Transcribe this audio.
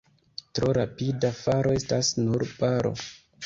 Tro rapida faro estas nur baro.